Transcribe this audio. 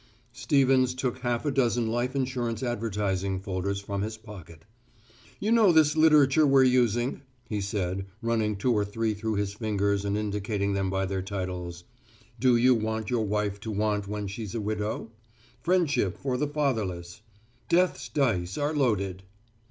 Stevens took half a dozen life insurance advertising folders from his pocket. "You know this literature we're using," he said, running two or three through his fingers and indicating them by their titles, "'Do You Want Your Wife to Want When She's a Widow?' 'Friendship for the Fatherless,' 'Death's Dice Are Loaded.'"